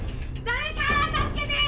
誰かー助けてー！